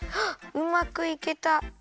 あっうまくいけた！